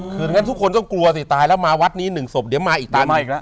คือทุกคนก็ต้องกลัวสิตายแล้วมาวัด๑สัพเดี๋ยวมาอีกร้าน